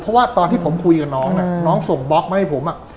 เพราะว่าตอนที่ผมคุยกับน้องน้องส่งบล็อกมาให้ผม